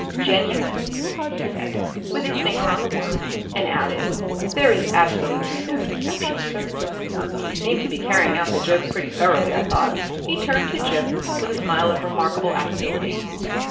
"Genuine," he said, with his finger on the word, and added, "There is absolutely no deception, sir." He seemed to be carrying out the joke pretty thoroughly, I thought. He turned to Gip with a smile of remarkable affability.